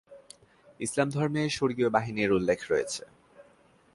ইসলাম ধর্মে স্বর্গীয় বাহিনীর উল্লেখ রয়েছে।